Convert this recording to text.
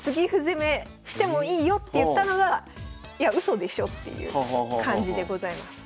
攻めしてもいいよっていったのがいやうそでしょっていう感じでございます。